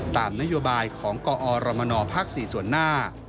ตามนโยบายของกอรมนภ๔ส่วนหน้า